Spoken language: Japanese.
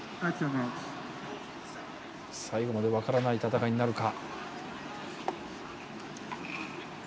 最後まで分からない戦いになるか。